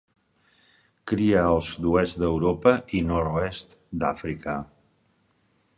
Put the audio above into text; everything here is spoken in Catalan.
Cria al sud-oest d'Europa i nord-oest d'Àfrica.